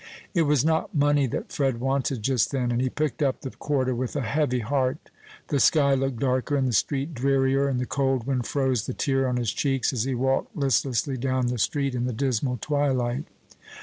It was not money that Fred wanted just then, and he picked up the quarter with a heavy heart. The sky looked darker, and the street drearier, and the cold wind froze the tear on his cheeks as he walked listlessly down the street in the dismal twilight.